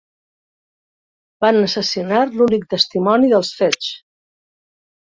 Van assassinar l'únic testimoni dels fets.